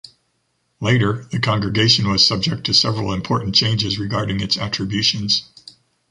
Later, the congregation was subject to several important changes regarding its attributions.